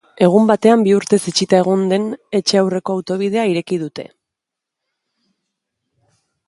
Egun batean, bi urtez itxita egon den etxe aurreko autobidea irekiko dute.